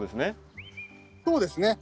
そうですね。